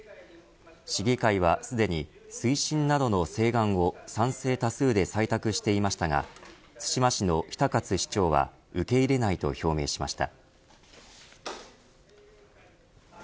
市議会は、すでに推進などの請願を賛成多数で採択していましたが対馬市の比田勝市長は受け入れないと表明しました。